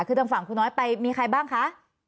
แล้วป้าปลาดีไปหรือเปล่า